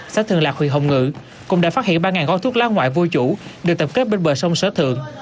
xã thường lạc huyện hồng ngự cũng đã phát hiện ba gói thuốc lá ngoại vô chủ được tập kết bên bờ sông sở thượng